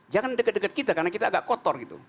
jangan dekat dekat kita karena kita agak kotor gitu